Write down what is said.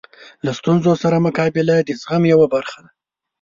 له ستونزو سره مقابله د زغم یوه برخه ده.